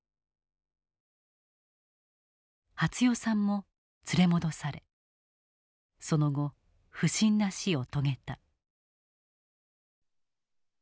初代さんも連れ戻されその後不審な死を遂げた。